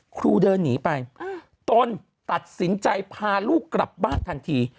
ครูเดินหนีไปตนตัดสินใจพาลูกกลับบ้านทันที